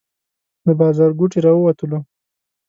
له بازارګوټي راووتلو.